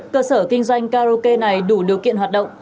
cơ sở kinh doanh cao kê này đủ điều kiện hoạt động